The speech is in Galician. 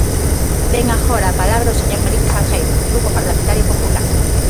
Ten agora a palabra o señor Melide Salgueiro, do Grupo Parlamentario Popular.